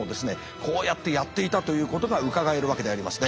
こうやってやっていたということがうかがえるわけでありますね。